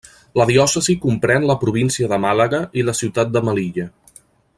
La diòcesi comprèn la província de Màlaga i la ciutat de Melilla.